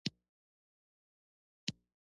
اوس اته بجي دي